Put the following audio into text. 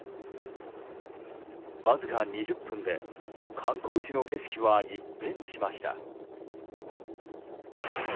わずか２０分で観光地の景色は一変しました。